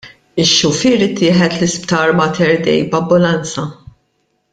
Ix-xufier ittieħed l-isptar Mater Dei b'ambulanza.